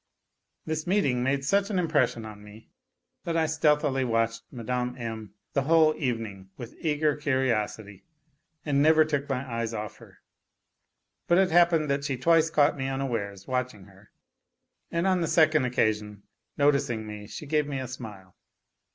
This meeting made such an impression on me that I stealthily 232 A LITTLE HERO watched Mme. M. the whole evening with eager curiosity, and never took my eyes off her. But it happened that she twice caught me unawares watching her, and on the second occasion, noticing me, she gave me a smile.